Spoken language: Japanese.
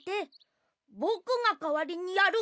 ぼくがかわりにやる！